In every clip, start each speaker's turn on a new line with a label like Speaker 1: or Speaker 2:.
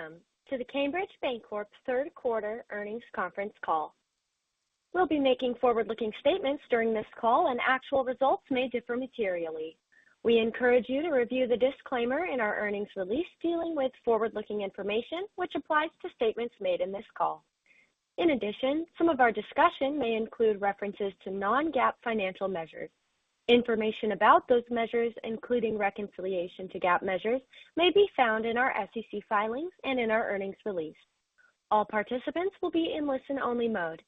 Speaker 1: Welcome to the Cambridge Bancorp third quarter earnings conference call. We'll be making forward-looking statements during this call and actual results may differ materially. We encourage you to review the disclaimer in our earnings release dealing with forward-looking information, which applies to statements made in this call. In addition, some of our discussion may include references to non-GAAP financial measures. Information about those measures, including reconciliation to GAAP measures, may be found in our SEC filings and in our earnings release. All participants will be in listen-only mode.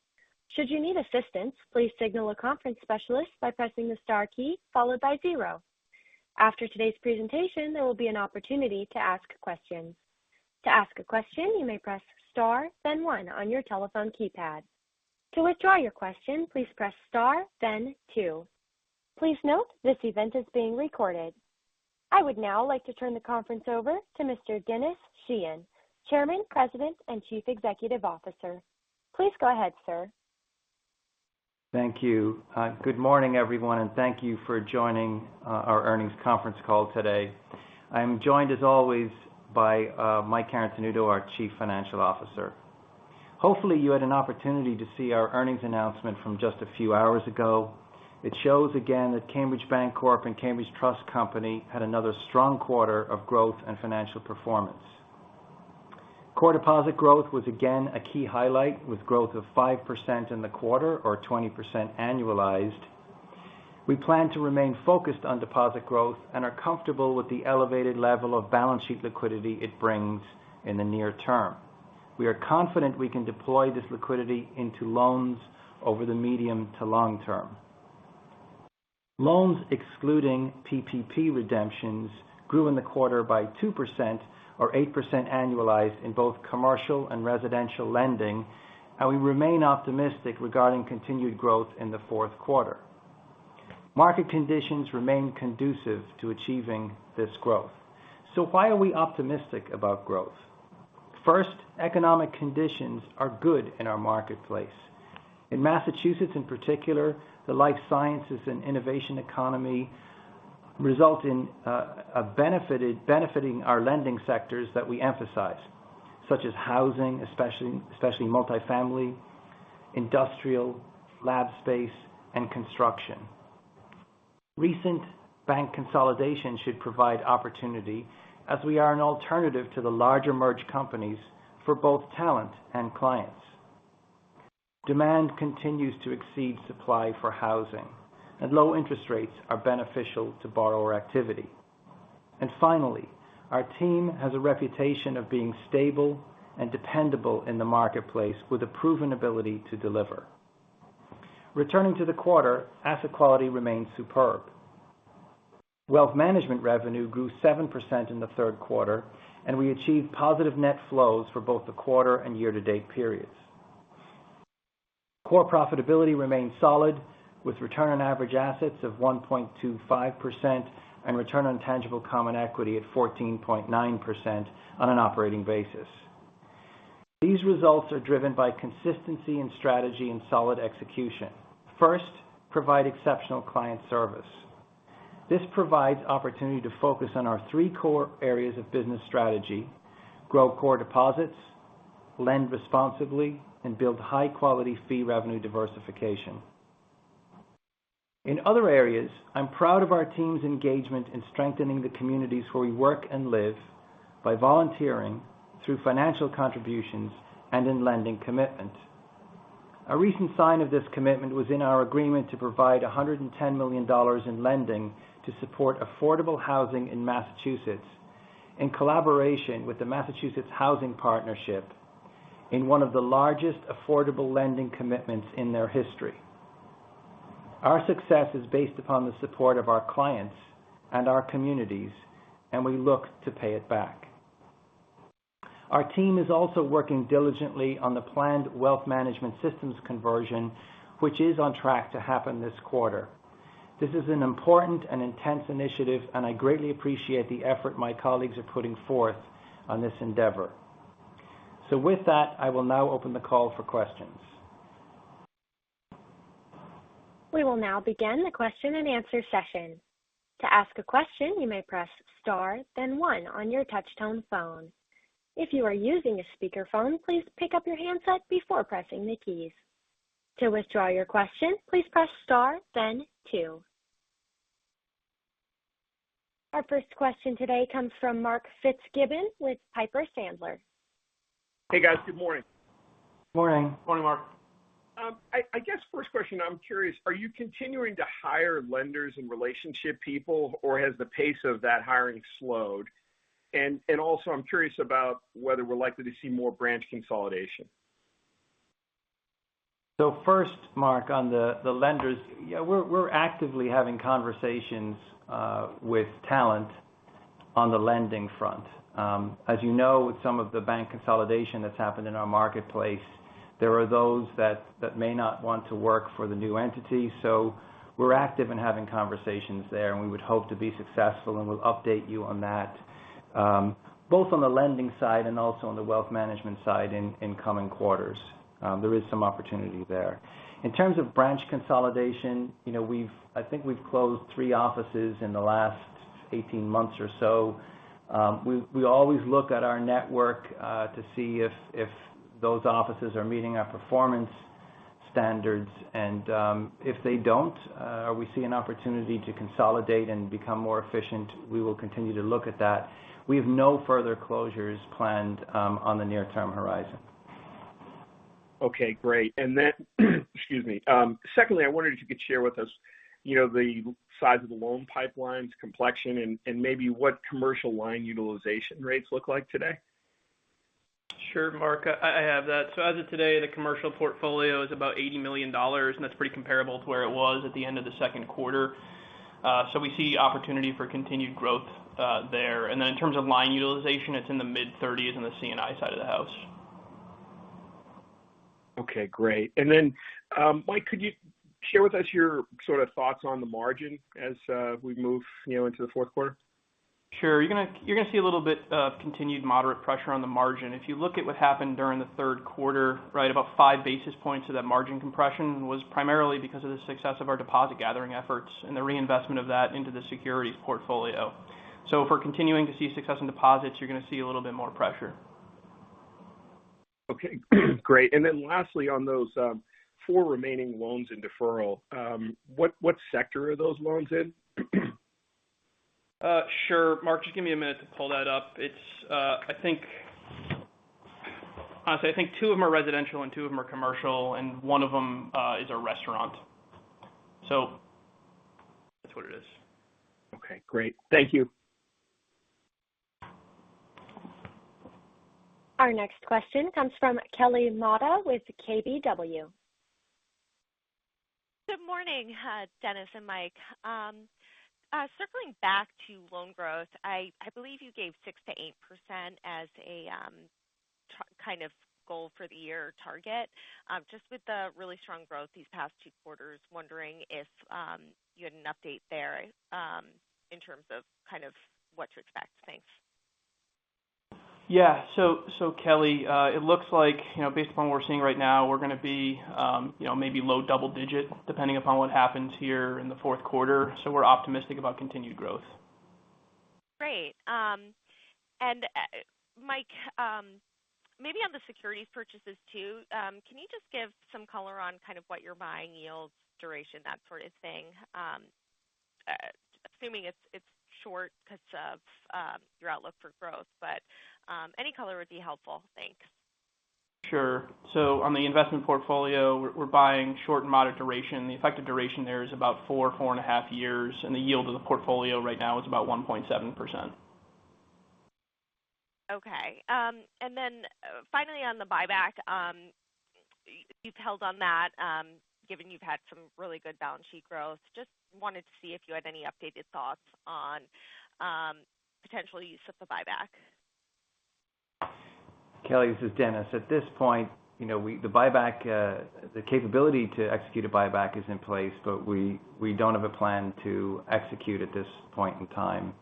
Speaker 1: After today's presentation, there will be an opportunity to ask questions. Please note this event is being recorded. I would now like to turn the conference over to Mr. Denis Sheahan, Chairman, President, and Chief Executive Officer. Please go ahead, sir.
Speaker 2: Thank you. Good morning, everyone, and thank you for joining our earnings conference call today. I'm joined as always by Michael Carotenuto, our Chief Financial Officer. Hopefully, you had an opportunity to see our earnings announcement from just a few hours ago. It shows again that Cambridge Bancorp and Cambridge Trust Company had another strong quarter of growth and financial performance. Core deposit growth was again a key highlight, with growth of 5% in the quarter, or 20% annualized. We plan to remain focused on deposit growth and are comfortable with the elevated level of balance sheet liquidity it brings in the near term. We are confident we can deploy this liquidity into loans over the medium to long term. Loans excluding PPP redemptions grew in the quarter by 2%, or 8% annualized in both commercial and residential lending, and we remain optimistic regarding continued growth in the fourth quarter. Market conditions remain conducive to achieving this growth. Why are we optimistic about growth? First, economic conditions are good in our marketplace. In Massachusetts in particular, the life sciences and innovation economy result in benefiting our lending sectors that we emphasize, such as housing, especially multifamily, industrial, lab space, and construction. Recent bank consolidation should provide opportunity as we are an alternative to the larger merged companies for both talent and clients. Demand continues to exceed supply for housing, and low interest rates are beneficial to borrower activity. Finally, our team has a reputation of being stable and dependable in the marketplace with a proven ability to deliver. Returning to the quarter, asset quality remained superb. Wealth Management revenue grew 7% in the third quarter, and we achieved positive net flows for both the quarter and year-to-date periods. Core profitability remained solid, with return on average assets of 1.25% and return on tangible common equity at 14.9% on an operating basis. These results are driven by consistency in strategy and solid execution. First, provide exceptional client service. This provides opportunity to focus on our three core areas of business strategy, grow core deposits, lend responsibly, and build high-quality fee revenue diversification. In other areas, I'm proud of our team's engagement in strengthening the communities where we work and live by volunteering through financial contributions and in lending commitment. A recent sign of this commitment was in our agreement to provide $110 million in lending to support affordable housing in Massachusetts in collaboration with the Massachusetts Housing Partnership in one of the largest affordable lending commitments in their history. Our success is based upon the support of our clients and our communities, and we look to pay it back. Our team is also working diligently on the planned Wealth Management systems conversion, which is on track to happen this quarter. This is an important and intense initiative, and I greatly appreciate the effort my colleagues are putting forth on this endeavor. With that, I will now open the call for questions.
Speaker 1: Our first question today comes from Mark Fitzgibbon with Piper Sandler.
Speaker 3: Hey, guys. Good morning.
Speaker 2: Morning.
Speaker 4: Morning, Mark.
Speaker 3: I guess first question, I'm curious, are you continuing to hire lenders and relationship people, or has the pace of that hiring slowed? Also I'm curious about whether we're likely to see more branch consolidation.
Speaker 2: First, Mark, on the lenders, yeah, we're actively having conversations with talent on the lending front. As you know, with some of the bank consolidation that's happened in our marketplace, there are those that may not want to work for the new entity. We're active in having conversations there, and we would hope to be successful, and we'll update you on that, both on the lending side and also on the Wealth Management side in coming quarters. There is some opportunity there. In terms of branch consolidation, I think we've closed three offices in the last 18 months or so. We always look at our network to see if those offices are meeting our performance standards. If they don't, or we see an opportunity to consolidate and become more efficient, we will continue to look at that. We have no further closures planned on the near-term horizon.
Speaker 3: Okay, great. Secondly, I wondered if you could share with us the size of the loan pipelines complexion, and maybe what commercial line utilization rates look like today.
Speaker 4: Sure, Mark. I have that. As of today, the commercial portfolio is about $80 million, and that's pretty comparable to where it was at the end of the second quarter. We see opportunity for continued growth there. In terms of line utilization, it's in the mid-30s on the C&I side of the house.
Speaker 3: Okay, great. Mike, could you share with us your thoughts on the margin as we move into the fourth quarter?
Speaker 4: Sure. You're going to see a little bit of continued moderate pressure on the margin. If you look at what happened during the third quarter, right, about five basis points of that margin compression was primarily because of the success of our deposit gathering efforts and the reinvestment of that into the securities portfolio. If we're continuing to see success in deposits, you're going to see a little bit more pressure.
Speaker 3: Okay. Great. Lastly, on those four remaining loans in deferral, what sector are those loans in?
Speaker 4: Sure, Mark, just give me a minute to pull that up. Honestly, I think two of them are residential and two of them are commercial, and one of them is a restaurant. That's what it is.
Speaker 3: Okay, great. Thank you.
Speaker 1: Our next question comes from Kelly Motta with KBW.
Speaker 5: Good morning, Denis and Michael. Circling back to loan growth, I believe you gave 6%-8% as a kind of goal for the year target. Just with the really strong growth these past two quarters, wondering if you had an update there in terms of what to expect. Thanks.
Speaker 4: Yeah. Kelly, it looks like, based upon what we're seeing right now, we're going to be maybe low double-digit, depending upon what happens here in the fourth quarter. We're optimistic about continued growth.
Speaker 5: Great. Mike, maybe on the securities purchases too, can you just give some color on what you're buying, yields, duration, that sort of thing? Assuming it's short because of your outlook for growth. Any color would be helpful. Thanks.
Speaker 4: Sure. On the investment portfolio, we're buying short and moderate duration. The effective duration there is about 4.5 Years, and the yield of the portfolio right now is about 1.7%.
Speaker 5: Okay. Finally on the buyback. You've held on that, given you've had some really good balance sheet growth. Just wanted to see if you had any updated thoughts on potential use of the buyback.
Speaker 2: Kelly, this is Denis. At this point, the capability to execute a buyback is in place. We don't have a plan to execute at this point in time.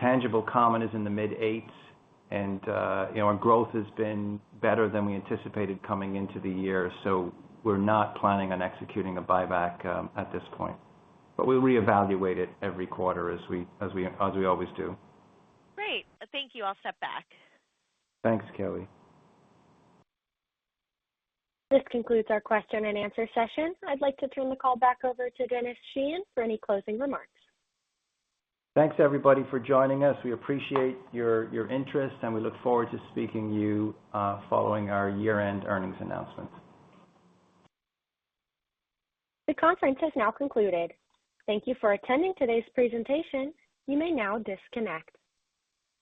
Speaker 2: Tangible Common is in the mid eights and our growth has been better than we anticipated coming into the year. We're not planning on executing a buyback at this point. We'll reevaluate it every quarter as we always do.
Speaker 5: Great. Thank you. I'll step back.
Speaker 2: Thanks, Kelly.
Speaker 1: This concludes our question and answer session. I'd like to turn the call back over to Denis Sheahan for any closing remarks.
Speaker 2: Thanks everybody for joining us. We appreciate your interest, and we look forward to speaking to you following our year-end earnings announcement.
Speaker 1: The conference has now concluded. Thank you for attending today's presentation. You may now disconnect.